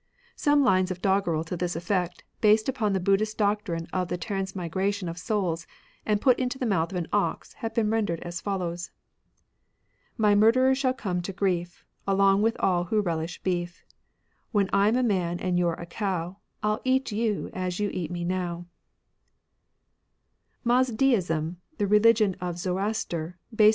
Some Unes of doggerel to this effect, based upon the Buddhist doctrine of the transmigration of souls and put into the mouth of an ox, have been rendered as follows :— My murderers shall oome to grief, Along with all who relish beef ; When I'm a man and you're a cow, I'll eat you as you eat me now, Mazd6ism, the reUgion of Zoroaster, Worshippers.